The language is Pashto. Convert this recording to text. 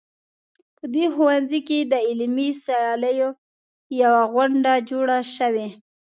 په دې ښوونځي کې د علمي سیالیو یوه غونډه جوړه شوې